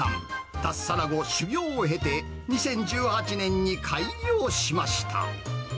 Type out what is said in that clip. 脱サラ後、修業を経て、２０１８年に開業しました。